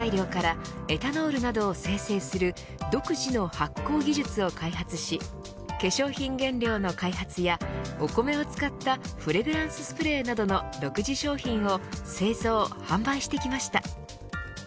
ファーメンステーションはさまざまな原材料からエタノールなどを生成する独自の発酵技術を開発し化粧品原料の開発やお米を使ったフレグランススプレーなどの独自商品を製造、販売してきました。